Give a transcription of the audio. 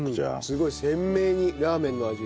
すごい鮮明にラーメンの味。